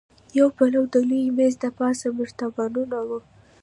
يو پلو د لوی مېز دپاسه مرتبانونه وو.